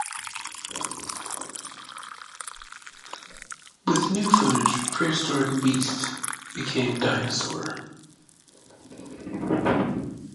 With new footage "Prehistoric Beast" became "Dinosaur!